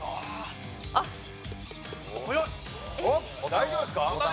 大丈夫ですか？